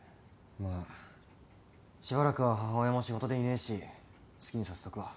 まあしばらくは母親も仕事でいねえし好きにさせとくわ。